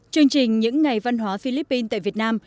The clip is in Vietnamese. chương trình những ngày văn hóa philippines tại việt nam